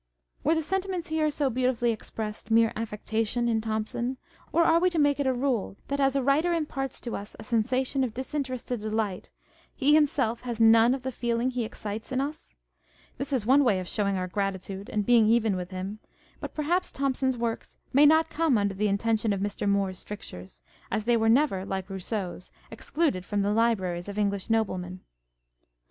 Were the sentiments here so beautifully expressed mere affectation in Thomson ; or are we to make it a rule that as a writer imparts to us a sensation of disinterested delight, he himself has none of the feeling he excites in us ? This is one way of showing our gratitude, and being On the Jealousy and the Spleen of Party. 523 even with him. But perhaps Thomson's works may not come under the intention of Mr. Moore's strictures, as they were never (like Rousseau's) excluded from the libraries of English Noblemen